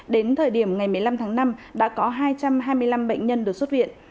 đến thời điểm ngày một mươi năm tháng năm đã có hai trăm hai mươi năm bệnh nhân được xuất viện